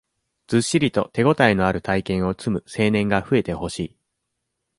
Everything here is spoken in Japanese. ずっしりと手応えのある体験を積む青年が増えてほしい。